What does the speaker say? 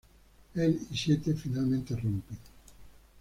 Él y Siete finalmente rompen.